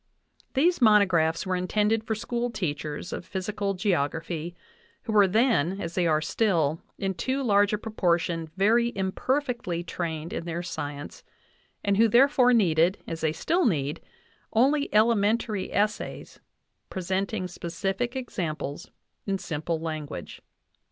These monographs were intended for school teachers of physi cal geography, who were then, as they are still, in too large a proportion very imperfectly trained in their science, and who therefore needed, as they still need, only elementary essays presenting specific examples in simple language.